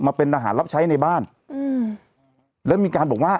เป็นอาหารรับใช้ในบ้านอืมแล้วมีการบอกว่า